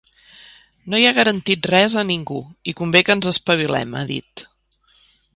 No hi ha garantit res a ningú, i convé que ens espavilem, ha dit.